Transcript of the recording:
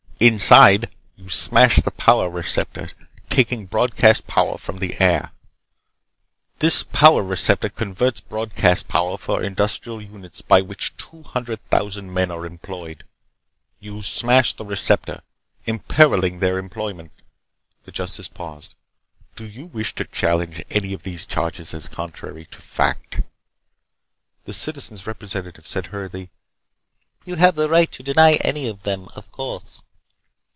Inside, you smashed the power receptor taking broadcast power from the air. This power receptor converts broadcast power for industrial units by which two hundred thousand men are employed. You smashed the receptor, imperiling their employment." The justice paused. "Do you wish to challenge any of these charges as contrary to fact?" The Citizen's Representative said hurriedly: "You have the right to deny any of them, of course."